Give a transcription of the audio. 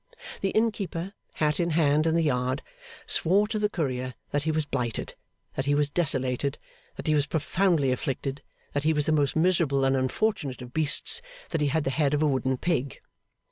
The Innkeeper, hat in hand in the yard, swore to the courier that he was blighted, that he was desolated, that he was profoundly afflicted, that he was the most miserable and unfortunate of beasts, that he had the head of a wooden pig.